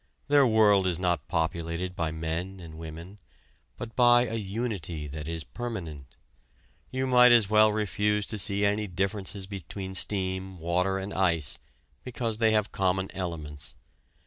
Their world is not populated by men and women, but by a Unity that is Permanent. You might as well refuse to see any differences between steam, water and ice because they have common elements.